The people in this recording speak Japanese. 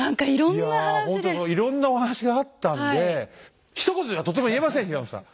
いやほんとそういろんなお話があったんでひと言ではとても言えません平野さん。